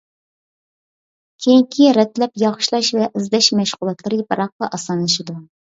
كېيىنكى رەتلەپ ياخشىلاش ۋە ئىزدەش مەشغۇلاتلىرى بىراقلا ئاسانلىشىدۇ.